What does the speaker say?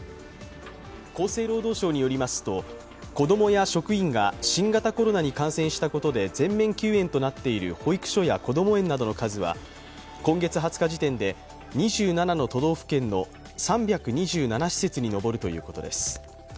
厚生労働省によりますと、子供や職員が新型コロナに感染したことで全面休園となっている保育所やこども園などの数は今月２０日時点で２７の都道府県の３２７施設に上るということです。